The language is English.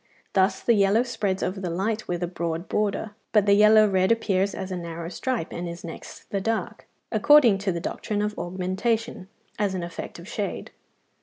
Thus the yellow spreads over the light with a broad border, but the yellow red appears as a narrower stripe and is next the dark, according to the doctrine of augmentation, as an effect of shade.